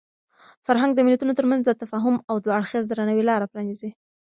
فرهنګ د ملتونو ترمنځ د تفاهم او دوه اړخیز درناوي لاره پرانیزي.